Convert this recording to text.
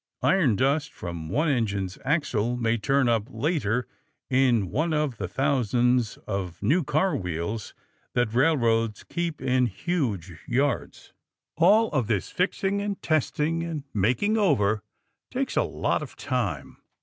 Iron dust from one engine's axle may turn up later in one of the thousands of new car wheels that railroads keep in huge yards. All of this fixing and testing and making over takes a lot of time.